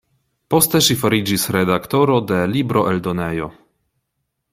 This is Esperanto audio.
Poste ŝi fariĝis redaktoro de libroeldonejo.